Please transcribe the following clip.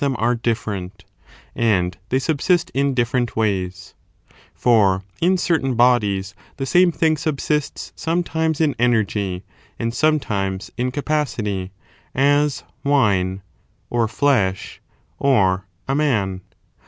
°^*^®°^*^® different, and they subsist in diffe rent ways; for in certain bodies the same thing subsists sometimes in energy and sometimes in capacity — ^as wine, or flesh, or a man.